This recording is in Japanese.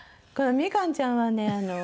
このみかんちゃんはね